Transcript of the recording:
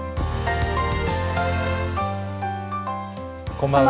こんばんは。